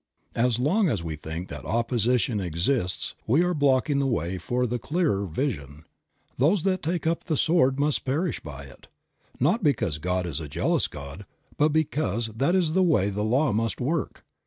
As long as we think that opposition exists we are blocking the way for the clearer vision. Those that take up the sword must perish by it ; not because God is a jealous God, but because that is the way the law must work.